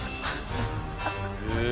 へえ！